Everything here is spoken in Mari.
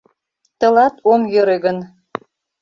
Тылат ом йӧрӧ гын.